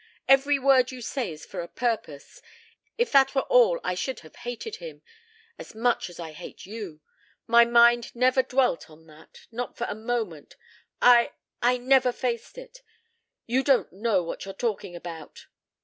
"Every word you say is for a purpose. If that were all I should have hated him. As much as I hate you. My mind never dwelt on that not for a moment I I never faced it. You don't know what you're talking about."